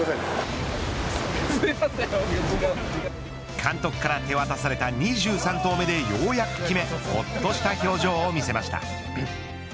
監督から手渡された２３投目でようやく決めほっとした表情を見せました。